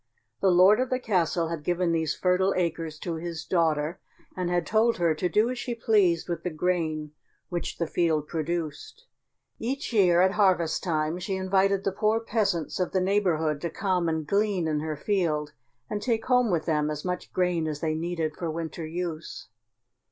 The lord of the castle had given these fertile acres to his daughter and had told her to do as she pleased with the grain which the field produced. Each year at harvest time she invited the poor peasants of the neighbourhood to come and glean in her field, and take home with them as much grain as they needed for winter use.